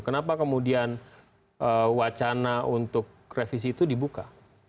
kenapa kemudian wacana untuk revisi itu dibuka